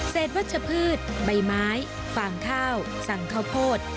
วัชพืชใบไม้ฟางข้าวสั่งข้าวโพด